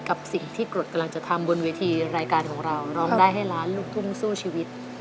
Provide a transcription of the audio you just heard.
กับสิ่งที่กรดกำลังจะทำบนเวทีรายการของเราร้องได้ให้ล้านลูกทุ่งสู้ชีวิต